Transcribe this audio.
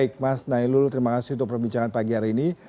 baik mas nailul terima kasih untuk perbincangan pagi hari ini